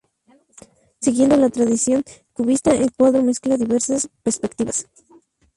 Siguiendo la tradición cubista, el cuadro mezcla diversas perspectivas.